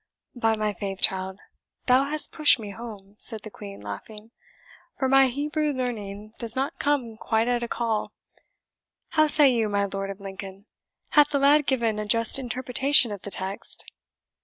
"By my faith, child, thou hast pushed me home," said the Queen, laughing; "for my Hebrew learning does not come quite at a call. How say you, my Lord of Lincoln? Hath the lad given a just interpretation of the text?"